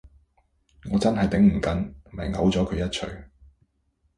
我真係頂唔緊，咪摳咗佢一鎚